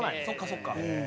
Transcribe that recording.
そうかそうか。